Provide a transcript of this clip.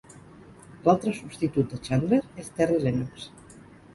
L'altre substitut de Chandler és Terry Lennox.